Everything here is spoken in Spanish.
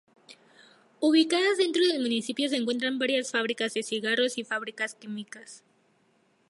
Ubicadas dentro del municipio se encuentran varias fábricas de cigarros y fábricas químicas.